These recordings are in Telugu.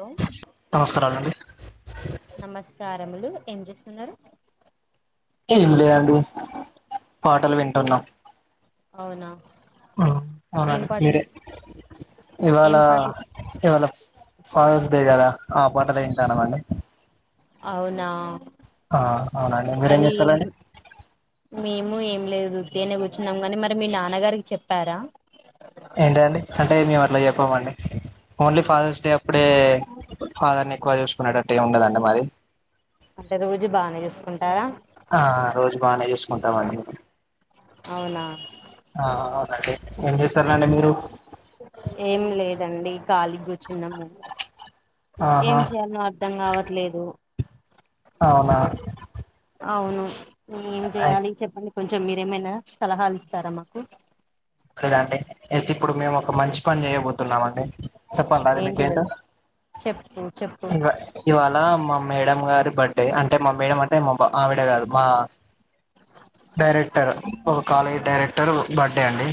హలో నమస్కారాలండి నమస్కార్ తములు ఏం చేస్తున్నారు ఏం లేదండి పాటలు వింటున్నాం అవునా ఆ ఏం అవునండి పాటి మీరే ఇవాళ ఏం పాటి ఇవాళ ఫాదర్స్ డే కదా ఆ పాటలు వింటున్నాము అండి అవునా అవునండి మీరేం మరి చేస్తారండి మేము ఏమి లేదు తేనే కోషినం ని మరి మీ నాన్నగారికి చెప్పారా ఏంటండి అంటే మేము అట్లా చెప్పమండి ఓన్లీ ఫాదర్స్ అంటే అప్పుడే ఫాదర్ ని ఎక్కువ చూసుకునేటట్టు ఉండదండి మాది అంటే రోజు బాగానే చూసుకుంటారా ఆ రోజు బాగానే చూసుకుంటామండి అవునా ఆ అవునండి ఏం చేస్తారుండి మీరు ఏం లేదండి కాళీ గా కూర్చున్నము ఆహా ఏం చేయాలో అర్ధం కావట్లేదు అవునా అవును ఏం అయి- చేయాలి చెప్పండి కొంచెం మీరేమైనా సలహాలు ఇస్తారా మాకు అదండి అయితే ఇప్పుడు మేము ఒక మంచి పని చేయబోతున్నామండి చెప్పం రాద ఏంటిది మీకేంటో చెప్పు చెప్పు ఇవా ఇవాళ అమ్మ్ మేడం గారి బర్త్డే అంటే మా మేడం అంటే మాబ ఆవిడ కాదు మా డైరెక్టర్ ఒక కాలేజీ డైరెక్టర్ బర్త్డే అండి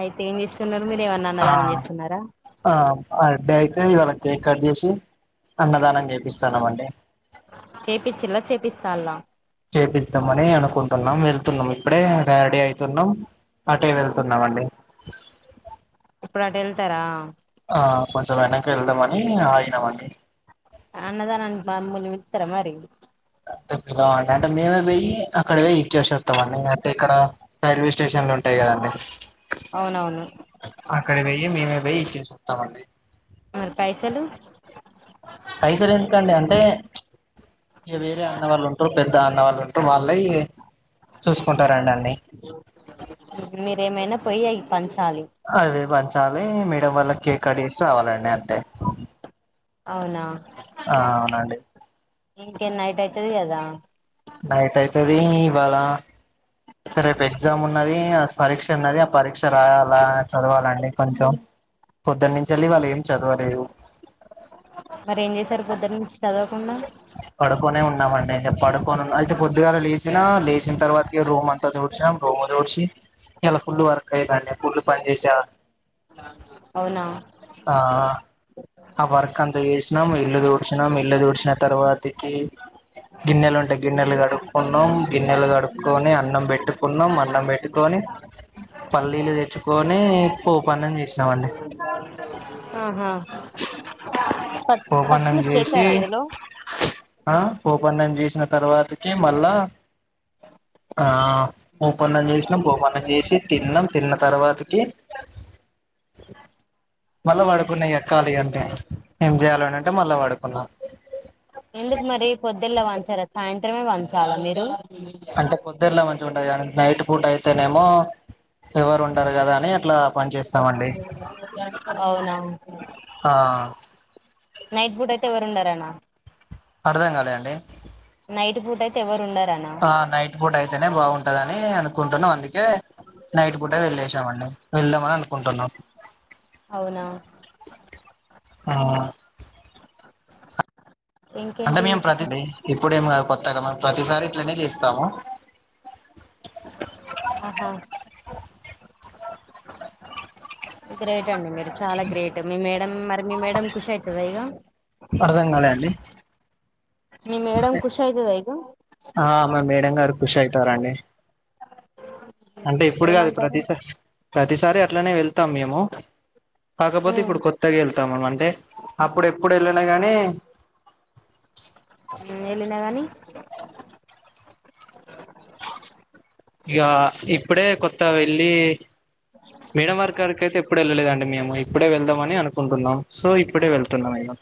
ఆయితే ఏం ఇష్ట ఆ అడ్డ అయితే ఇవాళ కేక్ కట్ చేసి అన్నదానం చేపిస్తాన్నామండి చేపిచ్చిలా చేపిస్తాలా చేపిద్దామని అనుకుంటున్నాం వెళ్తున్నాం ఇప్పుడే రయాడీ అవుతున్నాం అటే వెళ్తున్నామండి ఇప్పుడు అటూ వెళ్తారా ఆ కొంచెం వెనక వెళ్దామ అని ఆయినామండి అన్నదా నను మత్రర మరి గాండి అంటే మేమే పోయి అక్కడ పోయి ఇచ్చేసే వస్తాం అండి అయితే ఇక్కడ రైల్వే స్టేషన్లు ఉంటాయి కదండి అవునవును అక్కడ వెయ్యి మేమే పోయి ఈచేసి వస్తామండి మరి పైసలు పైసలు ఎందుకండి అంటే ఇక వేరే అన్న వాళ్ళు ఉంటారు పెద్ద అన్న వాళ్ళు ఉంటారు వాళ్ళ చూసుకుంటారండి అన్ని మీరేమైనా పోయి అ పంచ అదే పంచాలి మేడం వల్ల కేక్ కడేసి రావాలండి అంతే అవునా ఆ అవునండి ఇంకేన్ నైట్ అయితది అదా నైట్ అయితది ఇవాళ స రేపు ఎగ్జామ్ ఉన్నది పరీక్ష ఉన్నది ఆ పరీక్ష రా అలా చదవాలండి కొంచెం పొద్దున్న నుంచి వెళ్ ఇవ్వాలి చదువర సరిపోద్దు నుంచి చదవకుండా పడుకొనే ఉన్నామండి. పడుకొనున్నా అయితే పొద్దుగాలా లేచినా లేచిన తర్వాతకి రోమ్ అంతా తుడ్చామ్ రోము తుడ్చి. ఇలా ఫుల్లు వర్క్ అయేందండి. ఫుల్లు పన్ జేశా. అవునా ఆ వర్క్ అంత ఏచినం. ఇల్లు తోడ్చినాం ఇల్లు తోడ్చిన తర్వాతికి గిన్నెలుంన్ డ గిన్నెలు కడుక్కున్నాం, గిన్నెలు కడుపుకొని, అన్నం బెట్టుకున్నాం, అన్నం బెట్టుకొని. పల్లీలు తెచ్చుకొని పోపన్నం జేష్ణమండి. ఆహా ప పోపన్నం పచ్చిమిర్చి జేషి వేసారా అందులో ఆ పోపన్నం జేషినా తర్వాతకి మళ్ళా ఆ పోపన్నం జేశనం. పోపన్నం జేషి తిన్నాం, తిన్న తర్వాతకి మళ్ళా వడుకున్నా ఇగా ఖాళీ అంటే, ఏం జేయాలని అంటే మళ్ళా వడుకున్నా. ఎందుకు మరి పొద్దులా వంచార సాయంత్రమే వంచాల మీరు. అంటే పొద్దేలా మంచిగా ఉంటది గానీ, నైట్ పూట అయితేనేమో ఎవరు ఉంటారు గదా అని అట్లా ఆ పని చేేస్తామండి. అవునా ఆ నైట్ బూట్ అయితే ఎవర్ ఉండరానా. అర్థం గాలే అండి. నైట్ పూట్ అయితే ఎవరు ఉండర్. ఆ నైట్ పూట అయితేనే బావుంటదన్ నే అనుకుంటున్నాం అందుకే నైట్ పూట వెళ్ళేశమండి, వెళ్దామని అనుకుంటున్నాం. అవునా ఆ అంటే ఇంకేంటి మేము విశేషాలు? ప్రతిదీ ఇప్పుడేం కాదు కొత్తగా మం ప్రతిసారి ఇట్లనే చేస్తాము. ఆహా గ్రేట్ టెండి. మీరు చాలా గ్రేట్, మీ మేడం మరి, మీ మేడం ఖుషి అయితదా ఇగా. అర్థం కాలే అండి మీ మేడమ్ కూష్ అయితదా ఇగా ఆ మా మేడం గారు ఖుష్ అయితారండి. అంటే ఇప్పుడు కాదు. ఏమంటారు ప్రతిసాస్ ప్రతిసారి అట్లనే వెళ్తాం మేము. కాకపోతే ఉమ్ ఇప్పుడు కొత్తగా ఏళ్ళతాం మన్ అంటే అప్పుడు ఎప్పుడు ఏళ్లలేగానే ఉమ్ ఏళ్ళిన గానీ ఇగా ఇప్పుడే కొత్త వెళ్లి మేడమ్ వారక్ కాడికి అయితే ఎప్పుడ్ వెళ్ళలేదండి మేము ఇప్పుడే వెళ్దామని అనుకుంటున్నాం సో ఇప్పుడే వెళ్తున్నాం ఇగా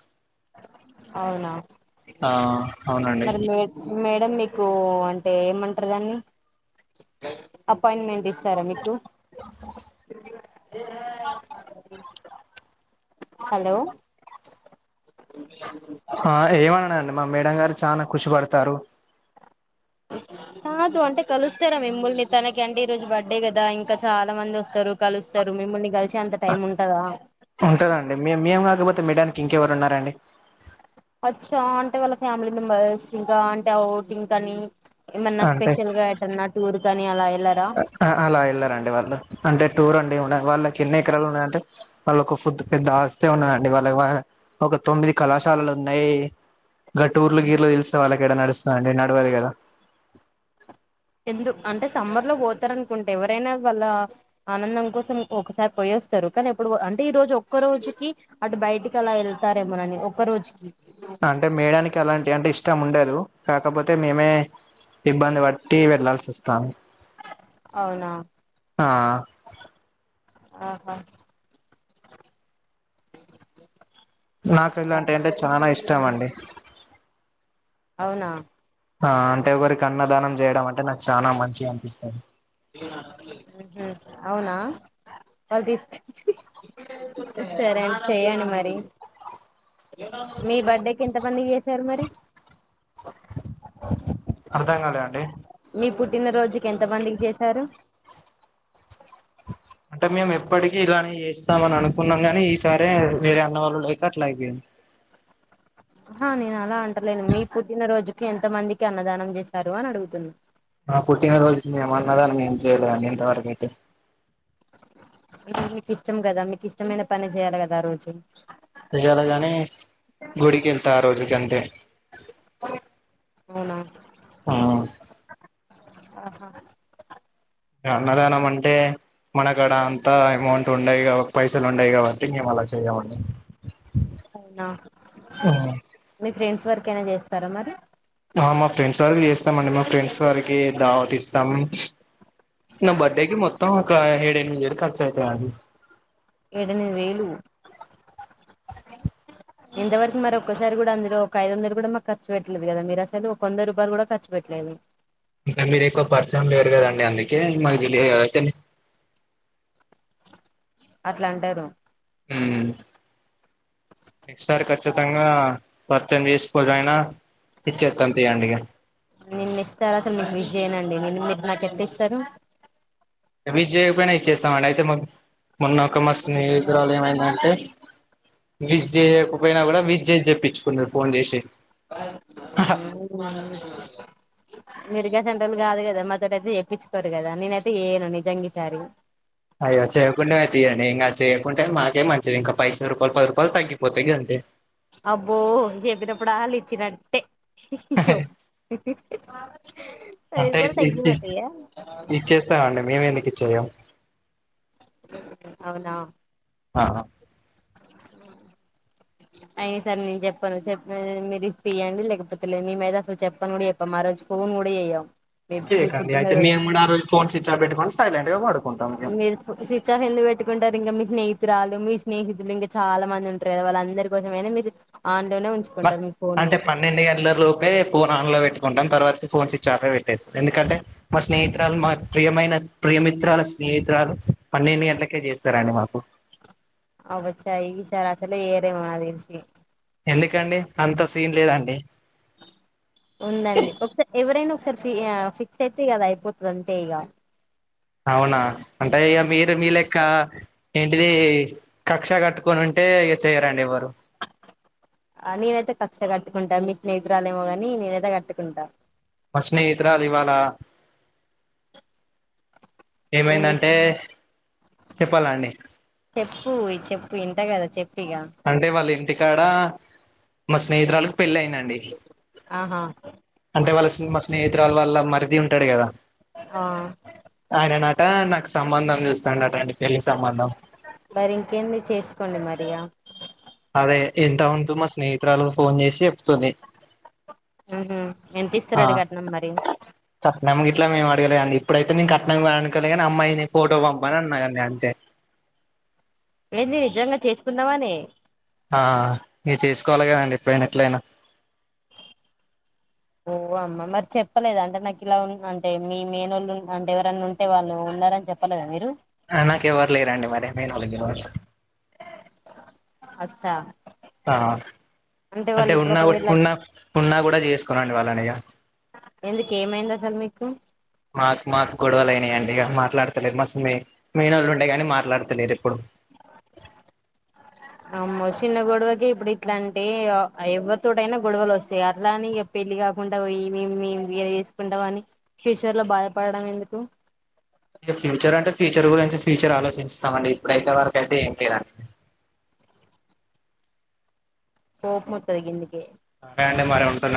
అవునా ఆ అవునండి మరి మేడ్ మే ఏమ్ మీకు అంటే ఏమంటారు దాన్ని అపాయింట్మెంట్ ఇస్తారా మీకు [unintelligible] హలో సూపిలాన్ హా ఏమనడండి. మా మేడం గారు చానా ఖుషిపడతారు. కాదు అంటే కలుస్తారా. మిమ్ముల్ని తనకి అంటే ఈ రోజు బర్త్డే కదా ఇంకా చాలా మంది వస్తారు కలుస్తర్ మిముల్ని గల్చి ఉంటదండి మేమ్ మేము కాకపోతే మేడంకి ఇంకెవరు ఉన్నారండి. అచ్చా అంటే వాళ్ళ ఫ్యామిలీ మెంబెర్స్ ఇంకా అంటే ఆ ఔటింగ్ కానీ ఏమన్నా స్పెషల్ గా ఏటన్నా టూర్ కాని అలా ఏల్ ఆ అలా ఏళ్ళారండి వాళ్ళు అంటే టూర్ అండి ఉన్నా వాళ్ళకి ఎన్ని ఎకరాలు ఉన్నాయి అంటే వాళ్ళక్ ఒక ఫుద్ పెద్ద ఆస్తే ఉన్నదండి, వాళ్ళక్ వా ఒక తొమ్మిది కళాశాలలు ఉన్నాయ్. గటూర్లు, గీర్లో తెలిస్తే వాళ్ళకి ఏడ నడుస్తాది అంటే నడవదు కదా ఎందు అంటే సమ్మర్ లో పోతారనుకుంట, ఎవరైనా వాళ్ళ ఆనందం కోసం ఒకసారి పోయేసి వస్తారు. కానీ ఎప్పుడు అంటే ఈ రోజు ఒక్క రోజుకి అటు బయటికి అలా వెళ్తారేమోనని ఒక్క రోజుకి అంటే మేడానికి అలాంటి వంటే ఇష్టం ఉండదు. కాకపోతే మేమే ఇబ్బంది పెట్టి వెళ్లాల్సివస్తోంది. అవునా ఆ ఆహా! నాకు ఇలాంటివి అంటే చాలా ఇష్టం అండి. అవునా ఆ అంటే ఎవ్వరికి అన్నదానం చేయడం అంటే నాకు చాలా మంచిగ అనిపిస్తాది. అవునా వాళ్ళు తీసుకొచ్చి సరే అండి చెయ్యండి మరి. మీ బర్త్డేకి ఎంత మంది కి చేసారు మరి. అర్థం కాలేదండీ. మీ పుట్టిన రోజుకి ఎంత మందికి చేశారు. అంటే మేము ఎప్పటికీ ఇలానే చేస్తామ అని అనుకున్నాం గాని, ఈసారే మీర అన్నవాళ్ళు లేక అట్లా అయిపోయింది. [inaudible] ఆ నేను అలా అంటలేను. మీ పుట్టినరోజుకి ఎంత మందికి అన్నదానం చేశారు అని అడుగుతున్నా? మా పుట్టినరోజుకి మేము అన్నదానం ఏం చేయలే ఇంతవరకు అయితే. మీకు ఇష్టం కదా? మీకు ఇష్టమైన పని చేయాలి కదా ఆ రోజు. చేయాలే గాని అ [inaudible] అవునా మ్ ఆహా! ఇగ అన్నదానం అంటే మన కాడ అంత అమౌంట్ ఉన్నాయి. పైసలు ఉండాయి కాబట్టి మేము అలా చేయమండి అవునా మీ ఫ్రెండ్స్ ఎవరకైనా చేస్తారా మరి? ఆ మా ఫ్రెండ్స్ వరికి చేస్తామండి. మా ఫ్రెండ్స్ వరికి దావత్ ఇస్తాము. నా బర్త్డేకి మొత్తం ఏడు ఎనిమిది వేలు ఖర్చు అయితాది. ఏడు, ఎనిమిది వేలు [inaudible] ఇంతవరకు మరి ఒక్కసారి కూడా అందులో ఒక ఐదు వందలు కూడా మాకు ఖర్చ పెట్లేదు కదా. మీరు అసలు ఒక వంద రూపాయలు కూడా ఖర్చు పెట్టలేదు. డేవిడ్ ఇంకా మీరు ఎక్కువ పరిచయం లేరు కదండి. అందుకే మాకు తెలియదు కదా తెలి అట్లా అంటారు. మ్ ఈ సారి ఖచ్చితంగా పరిచయం చేసుకోకపోయినా నేను నెక్స్ట్ తర్వాత మీకు విష్ చేయనండి మినిమం నేను నాకెంత ఇస్తారు. విష్ చేయకపోయినా ఇచ్చేస్తామండి అయితే మాకు మొన్న ఒక మా స్నేహితురాలు ఏమైందంటే? విష్ చేయకపోయినా కూడా విష్ చేసి చెప్పించుకున్నారు ఫోన్ చేసి. [unintelligible] మెరిగా సెంటర్లు కాదు కదా మొదట యితే చెప్పించుకోరు కదా నేనైతే ఏయను నిజంగసారి అయ్యో చేయకుండా అది అని ఇంకా చేయకుంటే మాకే మంచిది ఇంకా పైస రూపాయలు పది రూపాయలు తగ్గిపోతాయి కదండి అబ్బో చెప్పినప్పుడు వాళ్ళు ఇచ్చినట్టే పది అంటే రూపాయలు తగ్గింది అత్తయ్య ఇచ్చేస్తామండి మేము ఎందుకు ఇచ్చేయం అవునా ఆ అయి సరే నేను చెప్పను చెప్ప మీరు ఇ తీయండి లేకపోతే లేదు మీద అసలు చెప్పను కూడా చెప్ప మారు ఫోన్ కూడా ఏయ్యం అడి అయితే న మన్నారు ఫోన్స్ స్విచ్ ఆఫ్ పెట్టుకొని సైలెంట్ గా పడు మీరు స్విచ్ ఆఫ్ ఎందుకు పెట్టుకుంటారు ఇంకా మీ స్నేహితురాలు మీ స్నేహితులు ఇంకా చాలా మంది ఉంటారు కదా వాళ్ళు అందరి కోసమనా మీరు లోనే ఉంచుకుంటారు మీ ఫోన్ ని అంటే పన్నెండు గంటల లోపే ఫోన్ ఆన్ లో ంటాం తర్వాత ఫోన్స్ ఇచ్చాక పెట్టేస్తారు ఎందుకంటే మా స్నేహిరాలు మా ప్రియమైన ప్రియమిత్రాల స్నేహితురాలు పన్నెండు గంటలకే చేస్తారండి మాకు అబ్బ చా ఈసారి అసలే చేయరేమో నాకు తెలిసి ఎందుకండి అంత సీన్ లేదండి ఉందండి ఒకసారి ఎవరైనా ఒకసారి ఫి ఫిక్స్ అయితే అది అయిపోతుంది అంటే ఇక అవునా అంటే ఇక మీరు మీ లేక ఏంటిది కక్ష కట్టుకొని ఉంటే టె ఇ చెయరండి ఎవరు ఆ నేనైతే కక్ష కట్టుకుంటా మీ స్నేహితురాలు ఏమో కానీ నేనైతే కట్టుకుంటా మా స్నేహితురాలు ఇవాళ ఏం ఏమైందంటే చెప్పాలా అండి ప్పు చెప్పు ఇంట కదా చెప్పు ఇగ అంటే వాళ్ళ ఇంటి కాడా మా స్నేహితురాలు పెళ్ళి అయిందండి ఆహా అంటే వాళ్ళ మా స్నేహితురాలు వాళ్ళ మరిది ఉంటాడు కదా ఆ ఆయననట నాకు సంబంధం చూస్తాంట అండి పెళ్లి సంబంధం మరి ఇంకేమి చేసుకోండి మరియా అదే ఎంత ఉంటు మా స్నేహితురాలు ఫోన్ చేసి చెప్తుంది ఎంత ఇస్తారడి కట్న మరి ఇట్లా మేము అడగలే అండి ఇప్పుడైతే నేను కట్నం వెళ్నుకోలేగానీ అమ్మాయిని ఫోటో పంప అ ఉన్నాదడి అంతే నిజంగా చేసుకుందామని ఆ ఈగ చేసుకోవాలి కదండి ఎప్పుడైనా ఎట్లయినా ఓ అమ్మా మరి చెప్పలేదు అంటే నాకు ఇలా ఉ అంటే మీ మేనోళ్ళు అంటే ఎవరైన్నా ఉంటే వాళ్ళు ఉన్నారని చెప్ప చెప్పాలదా మీరు నాకు ఎవరు లేరండి మరి మనగ అచ్చా ఆ అంటే వాళ్ళు ఇప్పుడు ఉన్నా ఒకవేళ ఉన్నా ఉన్నా కూడా చేసుకున్నాండి వాళ్ళని ఈగ ఎందుకు ఏమైంది అసలు మీకు మా మాకు గొడవలు అడి మాట్లాడతలేరు మస్తు మీ మేనోళ్ళు ఉంటే కాని మాట్లాడతలేరు ఇప్పుడు అమ్మో చిన్న గొడవకి ఇప్పుడు ఇట్లా అంటే ఎవ్వరి తోటయినా గొడవలు వస్తాయి అట్లా అనిక పెళ్ళి ఇ కాకుండా పో మే మే ఇలా చేసుకుంటాం అని ఫ్యూచర్ లో బాధపడడం ఎందుకు ఇక ఫ్యూచర్ అంటే ఫ్యూచర్ గురించి ఫ్యూచర్ ఆలోచిస్తామ అండి ఇప్పుడైతే వరక అైతే ఇంతేన కోపం వస్తది గిందుకే సరే అండి మరి ఉంటున్న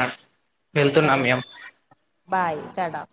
సరే బాయ్ ఉంటానా